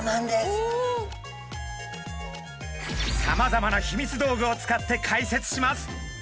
さまざまなヒミツ道具を使って解説します。